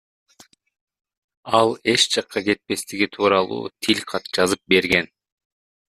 Ал эч жакка кетпестиги тууралуу тил кат жазып берген.